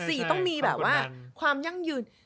อันต้องมีแบบความยั่งยืน